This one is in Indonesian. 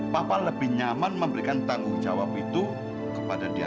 papa lebih nyaman memberikan tanggung jawab itu kepada dia